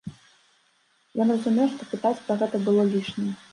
Ён разумеў, што пытаць пра гэта было лішнім.